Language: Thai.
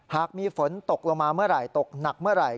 หากมีฝนตกลงมาเมื่อไหร่ตกหนักเมื่อไหร่